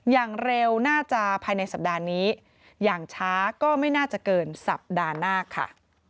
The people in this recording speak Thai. อย่างเร็วน่าจะภายในสัปดาห์นี้อย่างช้าก็ไม่น่าจะเกินสัปดาห์หน้าค่ะ